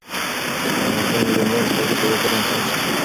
ژان والژان د زندان څخه وروسته یو بل انسان شو.